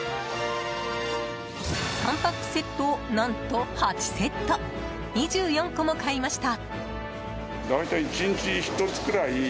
３パックセットを何と８セット２４個も買いました。